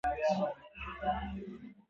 پکتیکا ولایت د پښتنو د غیرت سمبول دی.